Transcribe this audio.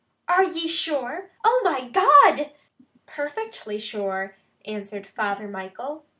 "Are ye sure? Oh, my God!" "Perfectly sure!" answered Father Michael.